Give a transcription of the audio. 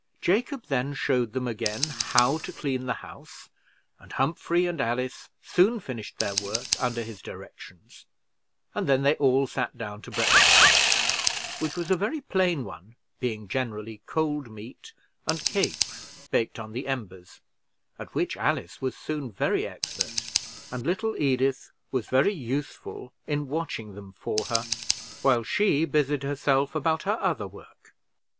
Jacob then showed them again how to clean the house, and Humphrey and Alice soon finished their work under his directions; and then they all sat down to breakfast, which was a very plain one, being generally cold meat, and cakes baked on the embers, at which Alice was soon very expert; and little Edith was very useful in watching them for her, while she busied herself about her other work.